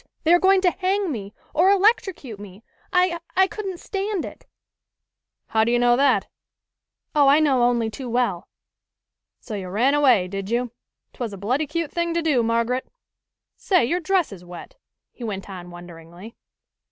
They are going to hang me, or electrocute me! I I couldn't stand it!" "How do you know that?" "Oh, I know only too well." "So you ran away, did you? 'Twas a bloody cute thing to do, Margaret. Say, your dress is wet," he went on wonderingly.